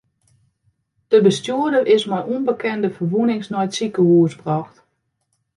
De bestjoerder is mei ûnbekende ferwûnings nei it sikehûs brocht.